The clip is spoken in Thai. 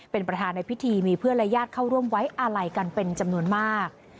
เป็นประธานในพิธีมีเพื่อนและญาติเข้าร่วมไว้อาลัยกันเป็นจำนวนมาก